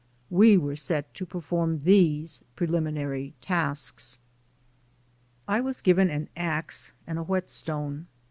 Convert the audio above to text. We were set to perform these preliminary tasks. I was given an ax and a whetstone.